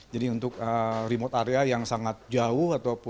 jadi untuk remote area yang sangat jauh